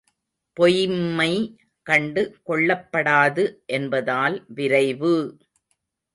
பொய்ம்மை கண்டு கொள்ளப்படாது என்பதால் விரைவு!